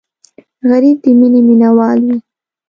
غریب د مینې مینهوال وي